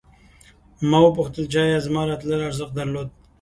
ما وپوښتل چې ایا زما راتلل ارزښت درلود